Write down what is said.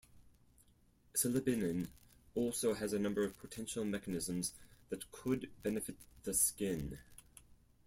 Silibinin also has a number of potential mechanisms that could benefit the skin.